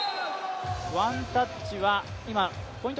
ワンタッチはポイント